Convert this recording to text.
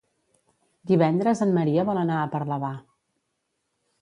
Divendres en Maria vol anar a Parlavà.